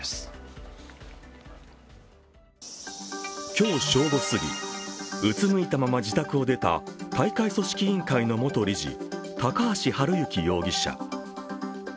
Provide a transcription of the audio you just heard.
今日正午すぎ、うつむいたまま自宅を出た大会組織委員会の元理事高橋治之容疑者。